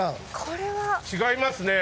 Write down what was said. これは。違いますね。